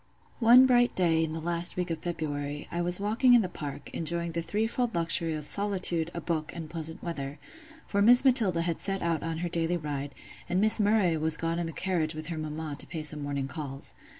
One bright day in the last week of February, I was walking in the park, enjoying the threefold luxury of solitude, a book, and pleasant weather; for Miss Matilda had set out on her daily ride, and Miss Murray was gone in the carriage with her mamma to pay some morning calls.